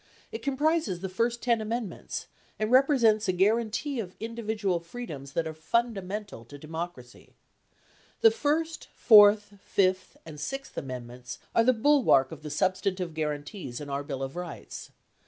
It comprises the first 10 amendments, and represents a guarantee of indi vidual freedoms that are fundamental to democracy. The first, fourth, fifth, and sixth amendments are the bulwark of the substantive guarantees in our Bill of Rights.